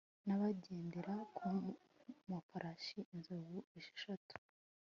n'abagendera ku mafarashi inzovu esheshatu